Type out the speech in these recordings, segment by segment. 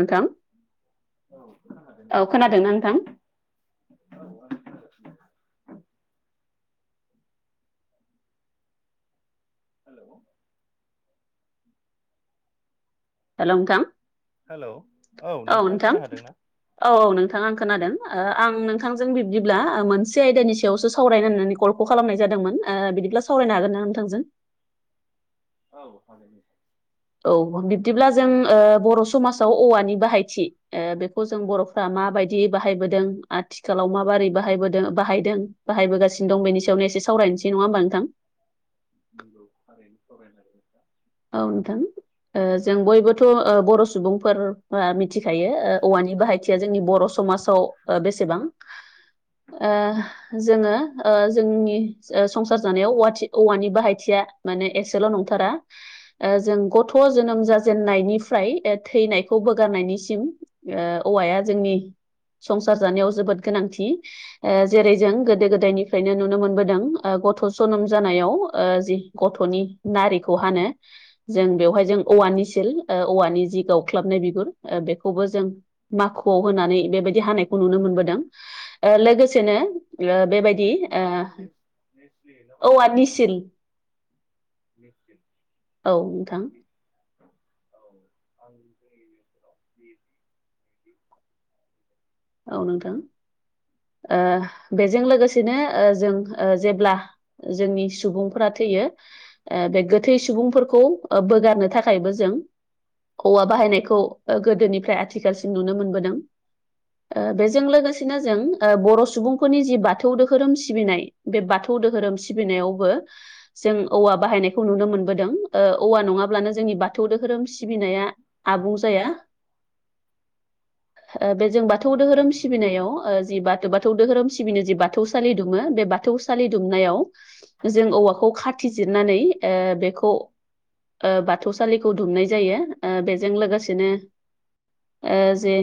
नोंथां औ खोनादोंना नोंथां [unintelligible] हेलौ। हेल' नोंथां हेलौ औ नोंथाङा नोंथां खोनाहादों ना? औ औ नोंथां आं औ खोनादों जोबोद आं मोजां नों नोंथां जों बिब्दिब्ला ओ मोनसे आयदानि सायावसो सावरायनो होन्नानै कल खौ खालामनाय जादोंमोन बिदिब्ला सावरायनो हागोन ना नोंथांजों औ थारैनो औ बिब्दिब्ला जों बर' समाजाव औवानि बाहायथि ओ बेखौ जों बर'फ्रा माबायदि बाहायबोदों आथि आथिखालाव माबारै बाहायदों बाहायदों बाहायबोगासिनो दं बेनि सायावनो एसे सावरायनोसै नङा होमबा नोंथां नंगौ थारैनो फोरमायना [unintelligible] औ नोंथां ओ जों बयबोथ'ओ बर' सुबुंफोर फोरा मिथिखायो ओ औवानि बाहायथिया जोंनि बर ओ समाजाव बेसेबां ओ जोङो ओ जोंनि ओ संसार जानायाव औवाथि औवानि बाहायथिया माने एसेल नंथारा ओ जों गथ' जोनोम जाजेननायनिफ्राय ओ थैनायखौ बोगारनायनिसिम ओ औवाया जोंनि संसार जानायाव जोबोद गोनांथि ओ जेरै जों गोदो नंगौ गोदायनि। फ्रायनो नुनो मोनबोदों गथ' जोनोम जानायाव जि गथ'नि नारि खौ हानो जों बेवहाय जों औ औवानिसिल ओ औवानि जि गावख्लाबनाय बिगुर बेखौबो जों माखुआव होनानै बेबायदि हानायखौ नुनो मोनबोदों ओ लोगोसेनो ओ बेबायदि बेखौ मा होनो नेस नेस्लि ना मा ओ होनो औवा नोंथां? निसिल नोंथां [inaudible] [inaudible] औ नोंथां ओ बेजों लोगोसेनो ओ जों ओ जेब्ला जोंनि सुबुंफोर थैयो गोथै सुबुंफोरखौ बोगारनो थाखायबो जों औवा बाहायनायखौ ओ गोदोनिफ्राय आथिखालसिम नुनो मोनबोदों ओ औ बेजों लोगोसे बिदिनो जों ओ बर' सुबुंफोरनि जि बाथौ दोहोरोम सिबिनाय बे बाथौ दोहोरोम सिबिनायावबो जों औवा बाहायनायखौ नुनो मोनबोदों ओ औवा नङाब्लानो जोंनि नंगौ बाथौ थारैनो धहोरोम सि सिबिनाया आबुं जाया ओ बे जों बाथौ धोरोम सिबिनायाव जि बाथौ बाथौ धोरोम सिबिनो जि बाथौसालि दुमो बे बाथौसालि दुमनायाव जों औवाखौ खाथिजिरनानै ओ बेखौ ओ बाथौसालिखौ दुमनाय जायो ओ बेजों लोगोसेनो ओ जे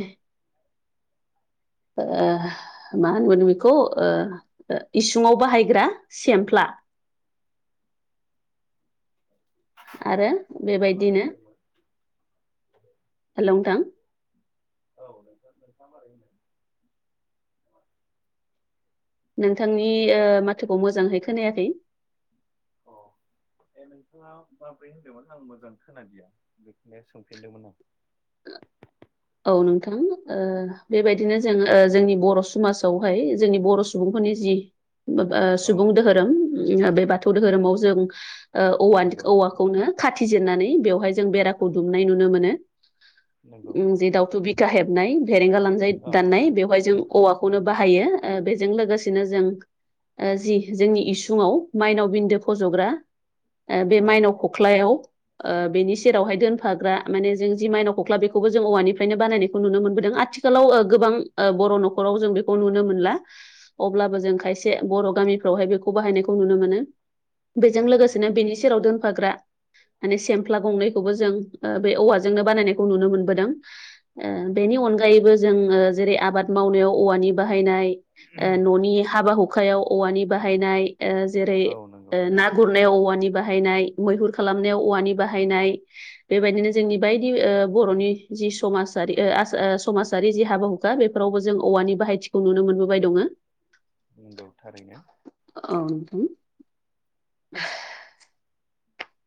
ओ मा होनगोन बेखौ ओ ओ इसुङाव बाहायग्रा सेमफ्ला आरो नोंथाङा मोरै बेबायदिनो होनदोंमोन? हेलौ नोंथा औ नोंथा नोंथाङा मारै होनदों? नोंथांनि ओ माथोखौ मोजांहै खोनायाखै अ [inaudible] ए नोंथाङा माब्रै होनदोंमोन आं मोजां खोनदिया बेखौनो सोंफिनदोंमोन आं औ नोंथां ओ बेबायदिनो जों ओ जोंनि बर सुमाजावहाय जोंनि बर सुबुंफोरनि जि। माबा औ सुबुं धोहोरोम जोंहा बे बाथौ धोरोमाव जों ओ औवानि नंगौ औवाखौनो खाथि जिननानै बेवहाय जों बेराखौ दुमनाय नुनो मोनो नंगौ उम जे दाउथु बिखा हेबनाय भेरेंगा लानजाय औ दाननाय बेवहाय जों औवाखौनो नंगौ बाहायो ओ बेजों लोगोसेनो जों ओ जि जोंनि इसुङाव माइनाव बिन्दो फज ग्रा ओ बे औ माइनाव खख्लायाव ओ बेनि सेरावहाय दोनफाग्रा माने जों जि माइनाव खख्ला बेख खौबो जों औवानिफ्रायनो बानायनायखौ नुनो मोनबोदों आथिखालाव ओ गोबां ओ बर नखराव जों बेखौ नुनो मोनला अब्लाबो जों खायसे बर गामिफ्रावहाय बेखौ बाहायनायखौ नुनो मोनो औ बेजों लोगोसेनो नंगौ बेनि सेराव दोनफाग्रा माने सेमफ्ला गंनैखौबो जों ओ बे औवाजोंनो बानायनायखौ नुनो मोन बोदों ओ औ बेनि अनगायैबो जों ओ जेरै आबाद मावनायाव औवानि बाहायनाय ओ ननि हाबा हुखायाव औवानि बाहायनाय ओ जेरै औ नंगौ ना गुरनायाव औवानि बाहायनाय मैहुर खालामनायाव औवानि बाहायनाय बेबायदिनो जोंनि बायदि ओ बर नि जि समाजारि ओ आस ओ समाजारि जि हाबा हुखा बेफोरावबो जों औवानि बाहायथिखौ नुनो मोनबोबाय दङो [unintelligible] नोंगौ थारैनो औ नोंथां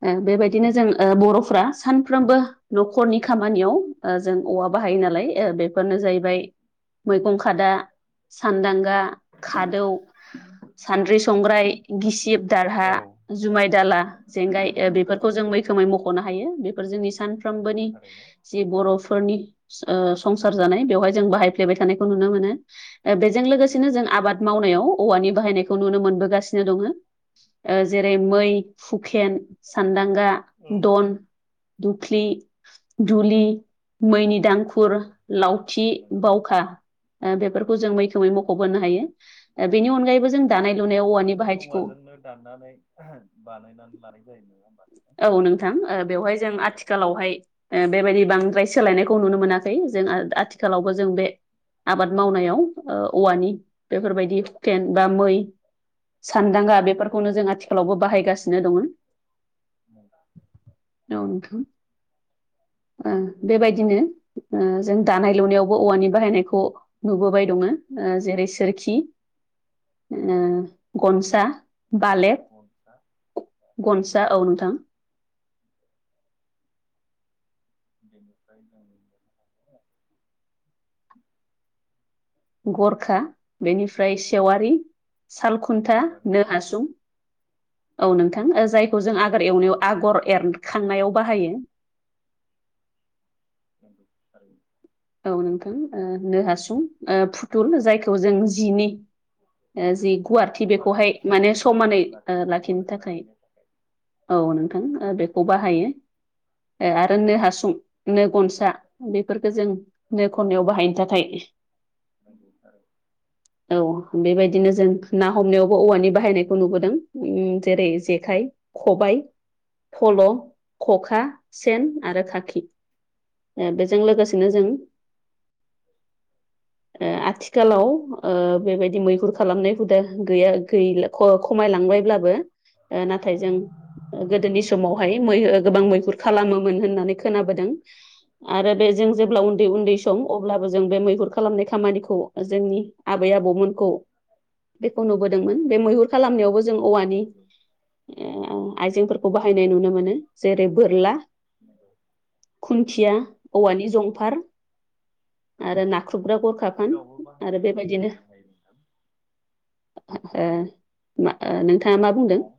ओ‌ बेबायदिनो जों बरफ्रा सानफ्रोमबो नखरनि खामानियाव ओ जों औवा बाहायो नालाय ओ बेफोरनो जाहैबाय मैगं खादा सानदांगा खादौ सान्द्रि संग्राय गिसिब दारहा औ जुमाय दाला जेंगाय ओ बेफोरखौ जों मैखोमै मखनो हायो बेफोर जोंनि नंगौ सानफ्रबोनि थारैनो जि बर फोरनि ओ संसार जानाय बेवहाय जों बाहायफ्लेबाय थानायखौ नुनो मोनो ओ बे जों नंगौ लोगोसेनो जों आबाद मावनायाव औवानि बाहायनायखौ नुनो मोनबोगासिनो दङो ओ जेरै मै हुख खेन सानदांगा औ दन दुफ्लि दुलि मैनि दांखु खुर नंगौ लावथि नंगौ बावखा ओ बेफोरखौ जों मैखोमै मखबोनो हायो ओ बेनि अनगायैबो जों। दानाय लुनायाव बेखौ औवानि मोजां बाहायथिखौ औवाजोंनो दाननानै बानायनानै लानायखाय नङा होमबा? औ नोंथां ओ बेवहाय जों औ आथिखालावहाय ओ बेबायदि बांद्राय सोलायनायखौ नुनो मोनाखै जों आथिखालावबो जों बे आबाद मावनायाव ओ औवानि बेफोरबायदि हुखेन बा मै नंगौ सानदांगा बेफोरखौनो जों आथिखालावबो बाहायगासिनो दङो [unintelligible] औ नोंथां ओं बेबायदिनो ओ‌ जों दानाय लुनायावबो औवानि बाहायनायखौ नुबोबाय। दङ जेरै सोरखि ओ गनसा बालेक गनसा गनसा औ नोंथां। बेनिफ्राय [unintelligible] गरखा बेनिफ्राय सेवारि सालखुन्था सेवारि नो हासुं औ नोंथां जायखौ जों आगर एवनायाव आगर एरखांनायाव बाहायो। नोंगौ थारैनो। औ नोंथां ओ नो हासुं ओ फुथुल जायखौ जों जिनि ओ जि गुवारथि बेखौहाय माने समानै ओ लाखिनो थाखाय औ नोंथां ओ बेखौ बाहायो ओ आरो नो हासुं नो गनसा बेफोरफोरखौ जों नो खननायाव बाहायनो थाखाय नंगौथारै। [unintelligible] औ बेबायदिनो जों ना हमनायावबो औवानि बाहायनायखौ नुबोदों ओम जेरै जेखाइ। खबाय फल। खखा नांगौ सेन आरो खाखि बेजों लोगोसेनो नांगौ जों ओ आथिखालाव ओ बेबायदि मै हुर खालामनाय हुदा गैया गैला ख-खमायलांबायब्लाबो ओ नाथाय जों गोदोनि समावहाय मै गोबां मैहुर खालामोमोन होननानै खोनाबोदों आरो बे जों जेब्ला नांगौ उन्दै उन्दै सम अब्लाबो जों बे मैहुर खालामनायख खामानिखौ जोंनि आबै आबौमोनखौ खौ नुबोदोंमोन बे मैहुर खालामनायावबो जों औवानि नांगौ ओ आइजेंफोरखौ बाहायनाय नुनो मोनो जेरै बोरला। नांगौ खुन्थिया बोरला थिर औवानि जंफार। आरो नाख्रुबग्रा गरख सिरावबो बाहायनायखौ जों मोननो हायो नोंथां। ओ मा ओ नोंथाङा मा बुंदों दं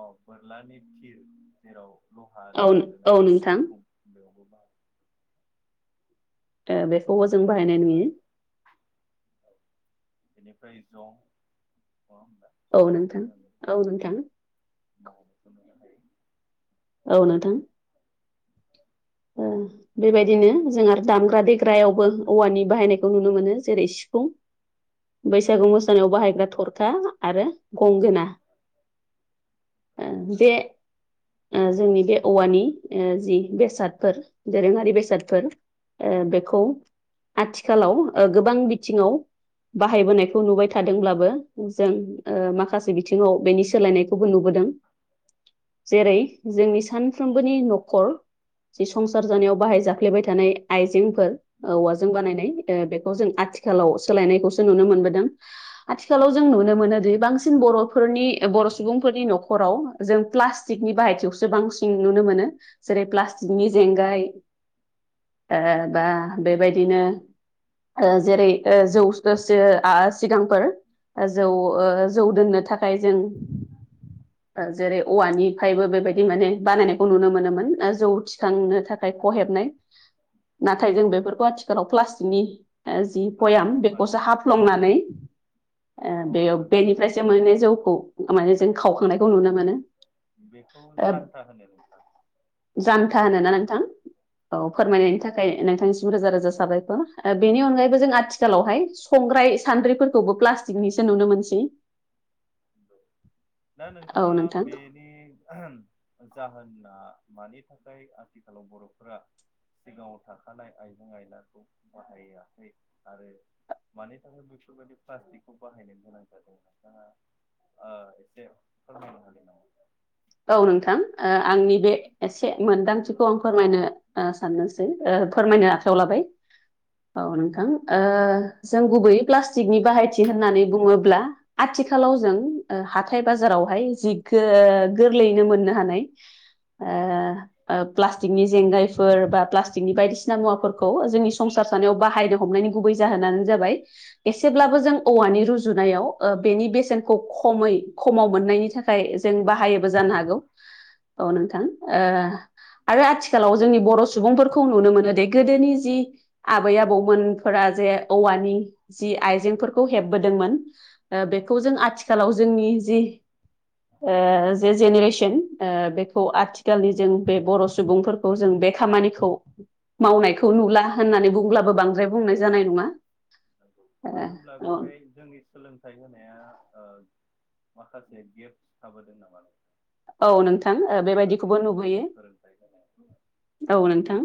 औ बोरलानि थिर। जेराव औ लहानि औ सोनायनि नोंथां बिखुं बेयावबो बाहायो। ओ बेखौबो जों बाहायनाय नुयो। औ बेनिफ्राय जं नंङा होबा। औ नोंथां जंवाबो जोङो औ नोंथां माहनायखौ मोननो हायो। औ नोंथां। ओ बेबायदिनो जों आरो दामग्रा देग्रायावबो औवानि बाहायनायखौ नुनो मोनो जेरै सि सिफुं बैसागु मोस नंगौ बाहायग्रा थरखा आरो गंगोना। ओ जे ओ जोंनि बे औवानि ओ जि बेसाद। फोर दोरोङारि बेसादफोर ओ बेखौ आथिखालाव ओ गोबां बिथिङाव बाहायबोनायखौ नुबाय थादोंब्लाबो जों ओ माखासे बिथिङाव बेनि सोलायनायख खौबो नुबोदों जेरै जोंनि सानफ्रोमबोनि न'खर जि संसार जानायाव बाहाय जाफ्लेबाय थानाय आइजेंफोर नंगौ औवाजों बानायनाय नंगौ ओ बेखौ जों आथिखालाव सोलायनायखौसो नुनो मोनबोदों। आथिखालाव जों नुनो मोनोदि बांसिन बर'फोरनि बर' सुबुंफोरनि न'खराव जों प्लास्टिकनि बाहायथियावसो बांसिन नुनो मोनो जेरै प्लास्टिक थिगनि नंगौ जेंगाय ओ बा बेबायदिनो ओ जेरै ओ जौसो आ सिगांफोर। जौ ओ जौ दोननो थाखाय जों ओ जेरै औवानिफायबो बेबायदि माने बानायनायखौ नुनो मोनोमोन ओ जोंथिं सांनो थाखाय ख' हेबनाय। नाथाय नंगौ जों बेफोरखौ आथिखालाव प्लास्टिकनि जि कयाम प्लास्टिकनि बेखौसो बाल्थिं हाफ्लंनानै ओ औ बेयाव नंगौ नंगौ बेनिफ्रायसो मोनो जौवखौव। माने जों औ खावखांनायखौ नुनो मोनो बेखौ ओ जानथा होनो नोंथां जान जानथा जोंनि होनो ना नोंथां? ओनसोलाव औ फोरमायनायनि थाखाय नोंथांनिसिम रोजा रोजा साबायखर। बेनि अनगायैबो जों आथिखालावहाय संग्राय सानद्रिफोरखौबो प्लास्टिक सिसो नुनो मोनसै दा औ नोंथांङा नोंथां बे नि जाहोनआ मानि थाखाय आथिखालाव बर'फोरा सिगांङाव थाखानाय आइजें आयलाखौ बाहायाखै आरो मानि थाखाय बेफोरबायदि प्लास्टिकखौ बाहायनो गोनां जादों नोंथां ओ एसे फोरमायनो हागोन नामा? औ नोंथां आंनि बे एसे मोनदांथिखौ आं फोरमायनो साननोसै फोरमायनो आखायाव नंगौ लाबाय औ नोंथां। ओ जों गुबैयै प्लास्टिकनि बाहायथि होननानै बुंङोब्ला आथिखालाव जों हाथाय बाजारावहाय जिखौव गोरलैयैनो मोननो हानाय। ए प्लास्टिकनि जेंगायफोर बा प्लास्टिकनि बायदिसिना मुवाफोरखौ जों सं खर सानायाव बाहायनो हमनायनि गुबै जाहोनानो जाबाय एसेब्लाबो जों औवानि रुजुनायाव ओ बेनि बेसेनखौ खमै खमाव मोननायनि थाखाय नंगौ जों बाहायोबो जानो नंगौ हागौ। औ नोंथां ओ आरो आथि आथिखालाव जोंनि बर' सुबुंफोरखौ नुनो मोनो दे गोदोनि जि आबै आबौमोनफोरा जे औवानि जि आइजेंफोरखौ हेबबोदोंमोन। ओ बेखौ जों नंगौ आथिखालाव जोंनि जि ओ जे जेनेरेसन ओ बेखौ आथिखालनि जों बे बर' सुबुंफोर जों बे खामानिखौ मावनायखौ नुला होननानै बुंब्लाबो बांसिन द्राय बुंनाय औ जानाय नंङा नंगौ मानो होनब्ला औ बेहाय जोंनि सोलोंथाइ होनाया ओ माखासे गेप्स थाबोदों नामा औ नोंथां ओ माखासे बेबायदिखौबो जोंनि नुबोयो फोरोंथाय होनाय। औ नोंथां।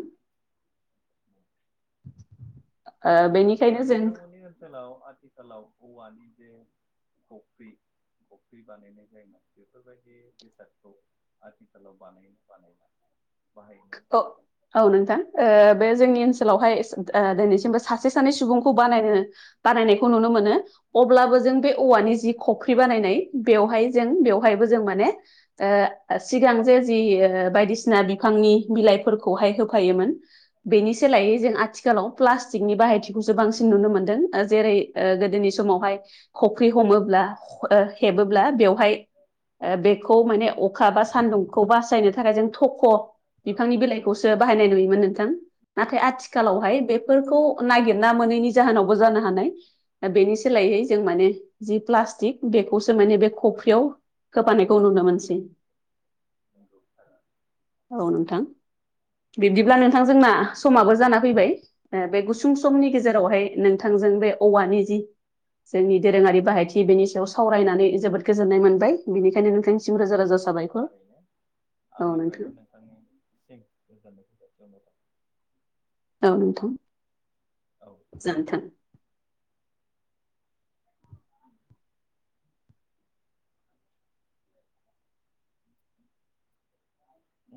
ओ नोंथां बेनिखायनो जों नोंथांमोननि ओनसोलाव आथिखालाव औवानि जे खफि्- खफि बानायनाय जायोमोन बेफोरबायदि बेसादखौ। आथिखालाव बानायो ना बानायला बाहायोमोन। औ औ नोंथां ओ बे जोंनि ओनसोलावहाय सो ओ दोनैसिमबो सासे सानै सुबुंखौ बानायनो बानायनायखौ नुनो मोनो अब्लाबो जों बे औवानि जि खख्रि बानायनाय बेवहाय जों औ बेवहायबो जों माने ओ ओ सिगां जे जि ओ बायदिसिना बिफांनि बिलाइफोरखौहाय होफायोमोन बेनि सोलायै जों आथि औ आथिखालाव प्लास्टिकनि बाहायथिखौसो बांसिन नुनो मोनदों जेरै गोदोनि नंगौ समावहाय खफ्रि हमोब्ला ओ हेबोब्ला बेवहाय ओ बेखौ माने अख अखा बा सान्दुंखौ बासायनो थाखाय जों थख' औ बिफांनि बिलाइ खौसो बाहायनाय नुयोमोन नोंथां नाथाय नंगौ आथिखालावहाय बे फोरफोरखौ नागिरना मोनैनि जाहोनावबो जानो हानाय। दा बेनि सोलायै जों माने जि प्लास्टिक बेखौसो माने बे कफियाव होफानायखौ नुनो मोनसै नोंगौ थारानो। औ नोंथां बिब्दिब्ला नोंथां जोंना समाबो जाना फैबाय बे गुसुं औ समनि गेजेरावहाय नोंथांजों बे औवानि जि जोंनि दोरोङारि बाहायथि बेनि सायाव सावरायनानै जोबोद गोजोननाय मोनबाय। बेनिखायनो नोंथांनिसिम रोजा नंगौ रोजा साबायखर थारैनो औ नोंथां [unintelligible] औ नोंथां थाबाय औ जागोन नोंथां [unintelligible] [unintelligible]